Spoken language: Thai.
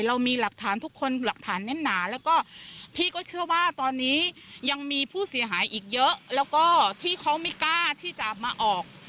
เรามีหลักฐานทุกคนหลักฐานแน่นหนาแล้วก็พี่ก็เชื่อว่าตอนนี้ยังมีผู้เสียหายอีกเยอะแล้วก็ที่เขาไม่กล้าที่จะมาออก